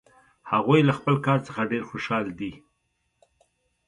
هغوی له خپل کار څخه ډېر خوشحال دي